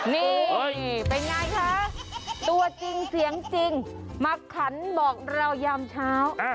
นี่เป็นไงคะตัวจริงเสียงจริงมาขันบอกเรายามเช้า